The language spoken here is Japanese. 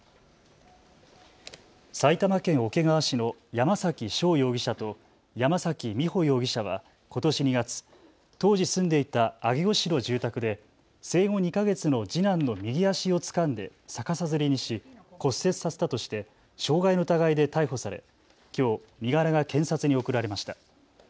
埼玉県桶川市の山崎翔容疑者と山崎美穂容疑者はことし２月、当時住んでいた上尾市の住宅で生後２か月の次男の右足をつかんで逆さづりにし骨折させたとして傷害の疑いで逮捕されきょう身柄が検察に送られました。